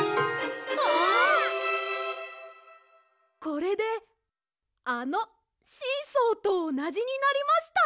これであのシーソーとおなじになりました！